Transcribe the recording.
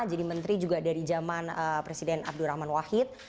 jadi menteri juga dari zaman presiden abdurrahman wahid